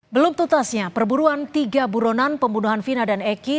belum tutasnya perburuan tiga buronan pembunuhan vina dan eki